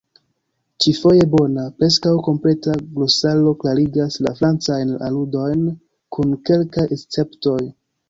Ĉi-foje bona, preskaŭ kompleta glosaro klarigas la francajn aludojn, kun kelkaj esceptoj.